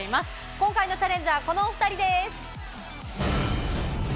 今回のチャレンジャー、このお２人です。